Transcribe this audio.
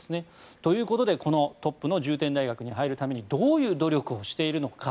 ということでこのトップの重点大学に入るためにどういう努力をしているのか。